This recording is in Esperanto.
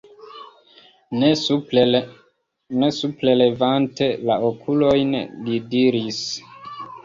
Ne suprenlevante la okulojn, li diris: